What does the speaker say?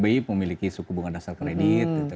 bi memiliki suku bunga dasar kredit